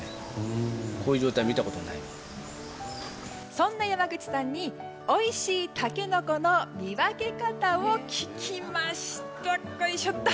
そんな山口さんにおいしいタケノコの見分け方を聞きました。